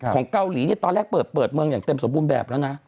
ของเกาหลีเนี่ยตอนแรกเปิดเมืองอย่างเต็มสมบูรณ์แบบแล้วนะ